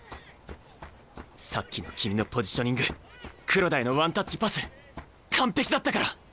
さっきの君のポジショニング黒田へのワンタッチパス完璧だったから！